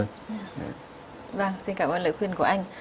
vâng xin cảm ơn lời khuyên của anh